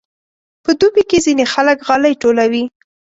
په دوبي کې ځینې خلک غالۍ ټولوي.